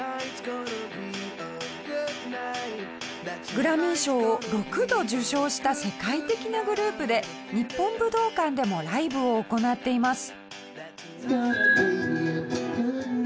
グラミー賞を６度受賞した世界的なグループで日本武道館でもライブを行っています。